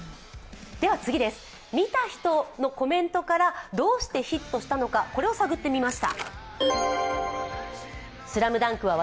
次は、見た人のコメントからどうしてヒットしたのかこれを探ってみました。